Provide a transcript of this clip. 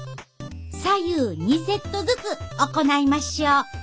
左右２セットずつ行いましょ。